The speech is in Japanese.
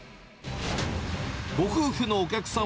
ご夫婦のお客さん